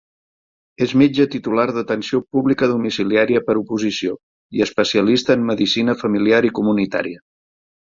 És metge Titular d'Atenció Pública Domiciliària per oposició i especialista en Medicina Familiar i Comunitària.